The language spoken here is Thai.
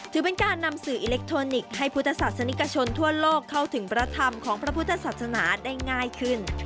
ถือเป็นการนำสื่ออิเล็กทรอนิกส์ให้พุทธศาสนิกชนทั่วโลกเข้าถึงพระธรรมของพระพุทธศาสนาได้ง่ายขึ้น